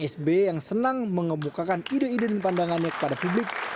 sb yang senang mengemukakan ide ide dan pandangannya kepada publik